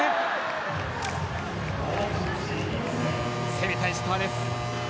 攻めた石川です。